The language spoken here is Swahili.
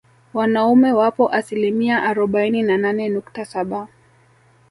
Wanaume wapo asilimia arobaini na nane nukta saba